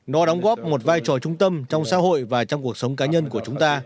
nó đóng góp một vai trò trung tâm trong xã hội và trong cuộc sống cá nhân của chúng ta